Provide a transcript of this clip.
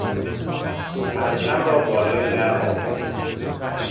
پرچم را بالای در آویخت.